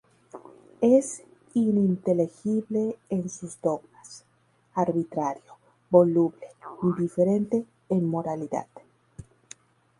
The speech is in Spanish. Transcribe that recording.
Es ininteligible en sus dogmas, arbitrario, voluble, indiferente en moralidad.